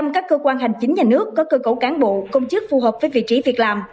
một trăm linh các cơ quan hành chính nhà nước có cơ cấu cán bộ công chức phù hợp với vị trí việc làm